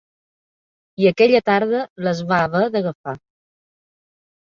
I aquella tarda les va haver d'agafar.